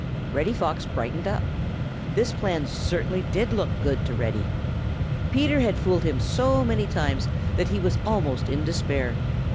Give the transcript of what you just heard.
Reddy Fox brightened up. This plan certainly did look good to Reddy. Peter had fooled him so many times that he was almost in despair.